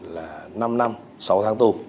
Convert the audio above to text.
là năm năm sáu tháng tù